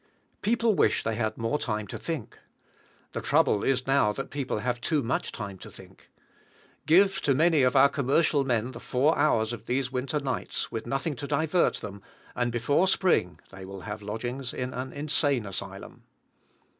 People wish they had more time to think. The trouble is now, that people have too much time to think. Give to many of our commercial men the four hours of these winter nights, with nothing to divert them, and before spring they will have lodgings in an insane asylum.